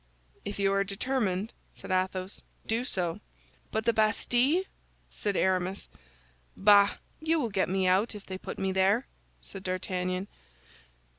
"If you are determined," said Athos, "do so." "But the Bastille?" said Aramis. "Bah! you will get me out if they put me there," said D'Artagnan.